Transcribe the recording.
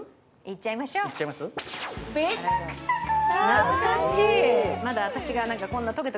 懐かしい。